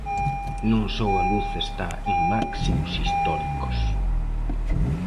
Non só a luz está en máximos históricos.